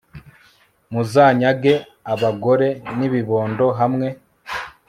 muzanyage abagore n,ibibondo hamwe